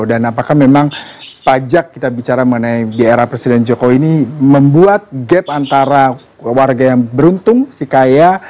dan apakah memang pajak kita bicara mengenai era presiden joko ini membuat gap antara warga yang beruntung si kaya